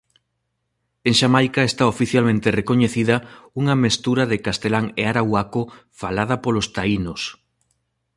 En Xamaica está oficialmente recoñecida unha mestura de castelán e arauaco falada polos taínos.